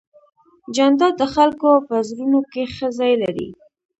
جانداد د خلکو په زړونو کې ښه ځای لري.